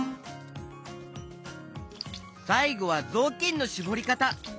さいごはぞうきんのしぼりかた。